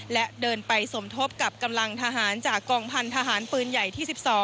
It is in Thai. และเดินไปสมทบกับกำลังทหารจากกองพันธหารปืนใหญ่ที่๑๒